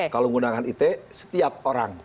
kalau menggunakan it setiap orang